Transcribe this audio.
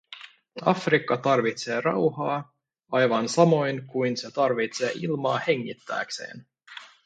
Afrikka tarvitsee rauhaa, aivan samoin kuin se tarvitsee ilmaa hengittääkseen.